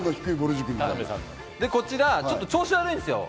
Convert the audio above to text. こちら、ちょっと調子が悪いんですよ。